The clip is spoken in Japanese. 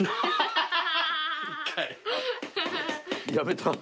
やめた。